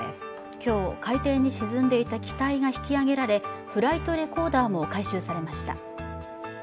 今日、海底に沈んでいた機体が引き揚げられフライトレコーダーも回収されました。